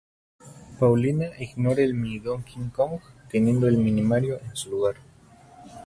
Paulina ignora el Mini-Donkey Kong, teniendo el Mini-Mario en su lugar.